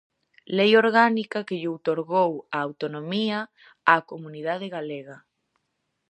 Lei orgánica que lle outorgou a autonomía á comunidade galega.